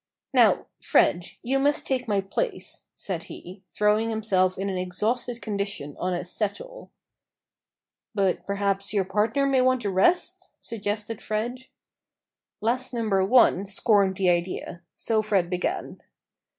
"Now, Fred, you must take my place," said he, throwing himself in an exhausted condition on a "settle." "But perhaps your partner may want a rest?" suggested Fred. Lass Number 1 scorned the idea: so Fred began.